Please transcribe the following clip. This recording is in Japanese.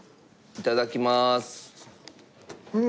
いただきます。